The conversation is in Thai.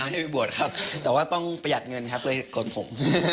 ที่ไปบวชครับแต่ว่าต้องประหยัดเงินครับก็เลยกดผม